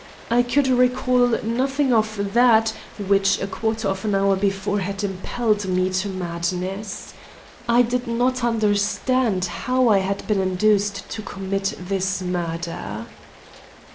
I could recall nothing of that, which a quarter of an hour before had impelled me to madness. I did not understand how I had been induced to commit this murder.